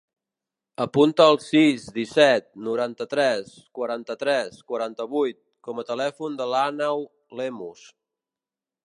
Apunta el sis, disset, noranta-tres, quaranta-tres, quaranta-vuit com a telèfon de l'Àneu Lemus.